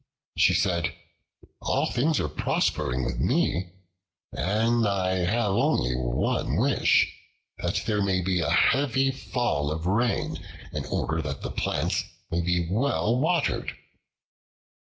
She said, "All things are prospering with me, and I have only one wish, that there may be a heavy fall of rain, in order that the plants may be well watered."